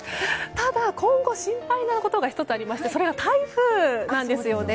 ただ、今後心配なことが１つありましてそれが台風なんですよね。